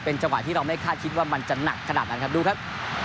จังหวะที่เราไม่คาดคิดว่ามันจะหนักขนาดนั้นครับดูครับ